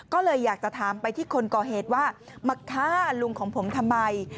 ก็เลยอยากจะถามไปที่คนก่อเหตุว่ามาฆ่าลุงของผมทำไม